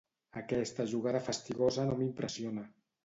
Aquesta jugada fastigosa no m'impressiona.